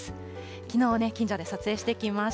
きのうね、近所で撮影してきまし